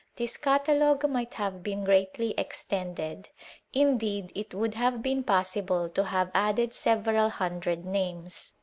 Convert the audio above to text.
This catalogue might have been greatly extended. Indeed it would have been possible to have added several hundred names.